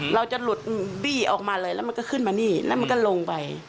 เราจะหลุดบี้ออกมาเลยแล้วมันก็ขึ้นมานี่แล้วมันก็ลงไป